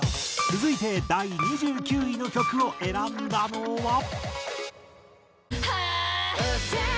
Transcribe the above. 続いて第２９位の曲を選んだのは。